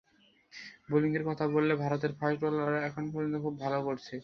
বোলিংয়ের কথা বললে ভারতের ফাস্ট বোলাররা এখন পর্যন্ত খুব ভালো করেছে।